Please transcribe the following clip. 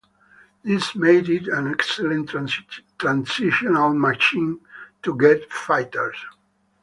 This made it an excellent transitional machine to jet fighters.